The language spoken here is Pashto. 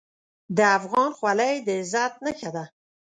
د افغان خولۍ د عزت نښه ده.